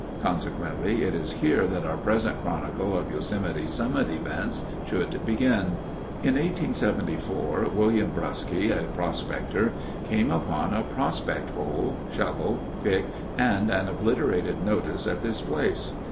Consequently, it is here that our present chronicle of Yosemite summit events should begin. In 1874, William Brusky, a prospector, came upon a prospect hole, shovel, pick, and an obliterated notice at this place.